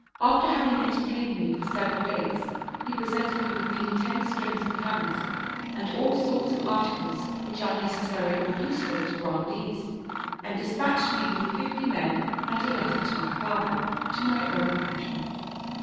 After having entertained me for several days he presented me with nearly ten strings of camels and all sorts of articles which are necessary or useful to Grandees, and dispatched me with fifty men and a letter to my father, to my own country.